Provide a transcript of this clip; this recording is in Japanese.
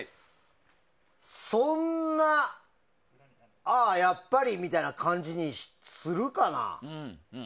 そんなあ、やっぱりみたいな感じにするかな。